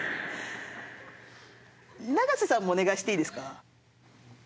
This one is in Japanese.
永瀬さんもお願いしていいですか。